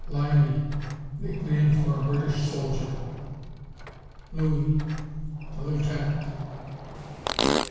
Limey Nickname for a British soldier. Looie A Lieutenant.